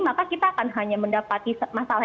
maka kita akan hanya mendapati masalah